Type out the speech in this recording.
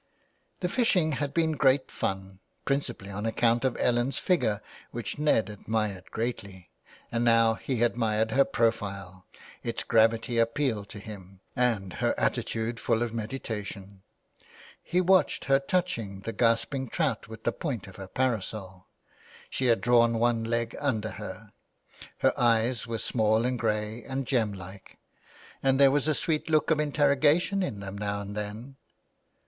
The fishing had been great fun, principally on account of Ellen's figure, which Ned admired greatly, and now he admired her profile — its gravity appealed to him — and her attitude full of meditation. He watched her touching the gasping trout with the point of her parasol. She had drawn one leg under her. Her eyes were small and grey and gem like, and there was a sweet look of interrogation in them now and then.